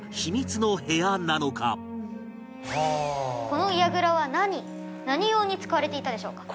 この櫓は何何用に使われていたでしょうか？